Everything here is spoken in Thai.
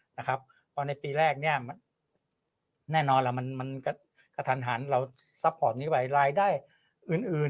เพราะในปีแรกแน่นอนกระทันเราไลน์ได้อื่น